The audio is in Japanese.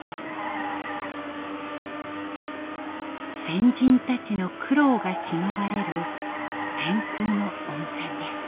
先人たちの苦労がしのばれる天空の温泉です。